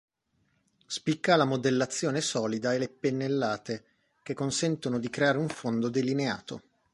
Spicca la modellazione solida e le pennellate, che consentono di creare un fondo delineato.